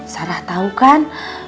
sarah tau kan